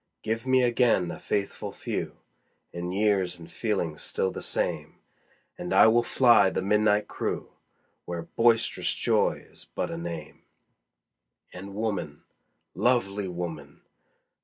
Give me again a faithful few, In years and feelings still the same, And I will fly the midnight crew, Where boist'rous joy is but a name. And woman, lovely woman!